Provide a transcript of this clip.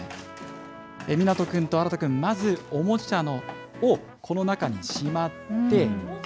湊くんと新くん、まずおもちゃをこの中にしまって。